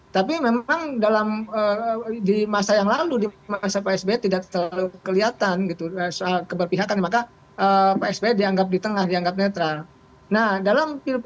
tapi memang dalam di masa yang lalu di masa pak sby tidak terlalu kelihatan gitu soal keberpihakan maka pak sby dianggap di tengah dianggap netral